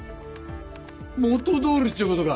元通りっちゅうことか！